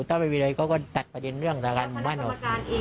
ถ้าไม่มีอะไรเขาก็ตัดประเด็นเรื่องสถานการณ์หมู่บ้านออก